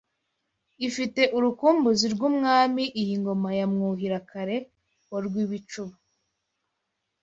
Ifite urukumbuzi rw'Umwami Iyi ngoma ya Mwuhira-kare wa Rwibicuba